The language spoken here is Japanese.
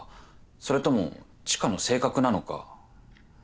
それとも知花の性格なのか。